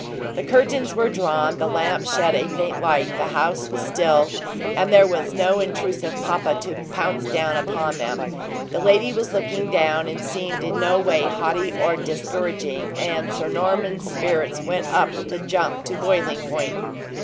The curtains were drawn; the lamp shed a faint light; the house was still, and there was no intrusive papa to pounce down upon them; the lady was looking down, and seemed in no way haughty or discouraging, and Sir Norman's spirits went up with a jump to boiling point.